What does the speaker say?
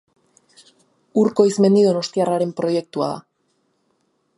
Urko Eizmendi donostiarraren proiektua da.